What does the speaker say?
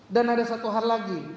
dan ada satu hal lagi